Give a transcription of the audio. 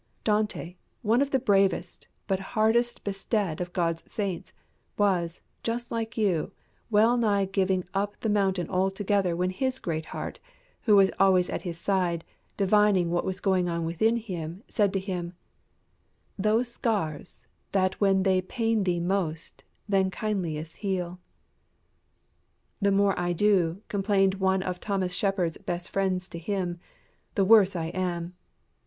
Dante, one of the bravest, but hardest bestead of God's saints, was, just like you, well nigh giving up the mountain altogether when his Greatheart, who was always at his side, divining what was going on within him, said to him "Those scars That when they pain thee most then kindliest heal." "The more I do," complained one of Thomas Shepard's best friends to him, "the worse I am."